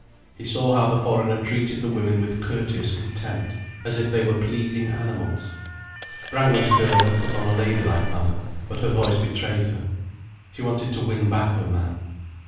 He saw how the foreigner treated the women with courteous contempt, as if they were pleasing animals. Brangwen's girl had put on a ladylike manner, but her voice betrayed her. She wanted to win back her man.